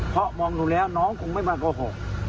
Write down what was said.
เพราะมองดูแล้วน้องคงไม่มาโกหก